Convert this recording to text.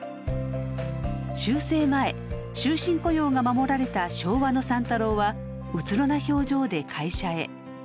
修正前終身雇用が守られた昭和の三太郎はうつろな表情で会社へ。